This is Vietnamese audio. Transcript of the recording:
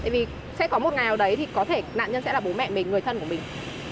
tại vì sẽ có một ngày nào đấy thì có thể nạn nhân sẽ là bố mẹ mình người thân của mình